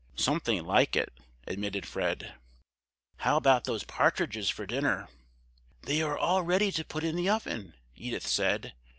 "Something like it!" admitted Fred. "How about those partridges for dinner?" "They are all ready to put in the oven!" Edith said.